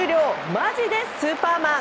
マジでスーパーマン！